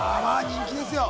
人気ですよ